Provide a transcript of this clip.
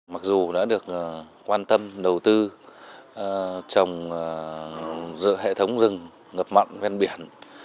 mặc dù đã được quan tâm đầu tư trồng dựa hệ thống rừng ngập mặn bên biển